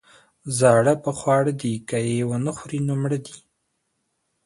ـ زاړه په خواړه دي، که يې ونخوري نو مړه دي.